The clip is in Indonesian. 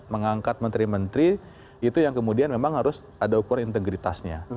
mengangkat menteri menteri itu yang kemudian memang harus ada ukur integritasnya